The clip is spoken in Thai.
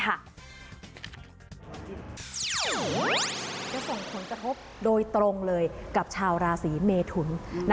ส่งผลกระทบโดยตรงเลยกับชาวราศีเมทุน